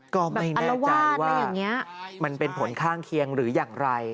ก็ไม่แน่ใจว่ามันเป็นผลข้างเคียงหรืออย่างไร